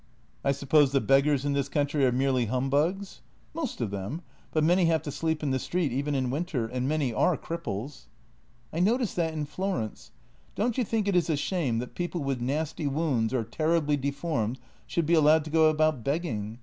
" I suppose the beggars in this country are merely hum bugs? "" Most of them, but many have to sleep in the street even in winter. And many are cripples." " I noticed that in Florence. Don't you think it is a shame that people with nasty wounds or terribly deformed should be allowed to go about begging?